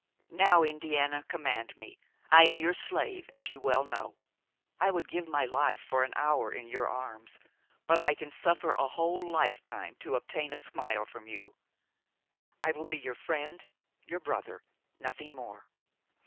Now, Indiana, command me! I am your slave, as you well know. I would give my life for an hour in your arms; but I can suffer a whole lifetime to obtain a smile from you. I will be your friend, your brother, nothing more.